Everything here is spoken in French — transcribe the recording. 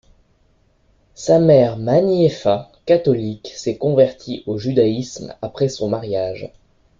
Sa mère Maniefa, catholique, s’est convertie au judaïsme après son mariage.